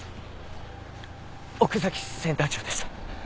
奥崎センター長です